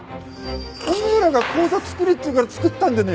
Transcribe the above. お前らが口座作れっていうから作ったんでねえかよ。